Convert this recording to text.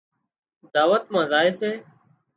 دعوت مان زائي سي